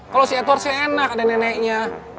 kalau si edward si enak ada neneknya